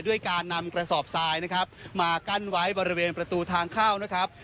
ด้วยการนำกระสอบทรายนะครับมากั้นไว้บริเวณประตูทางเข้านะครับ